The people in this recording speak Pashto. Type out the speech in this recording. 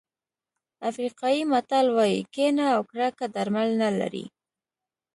افریقایي متل وایي کینه او کرکه درمل نه لري.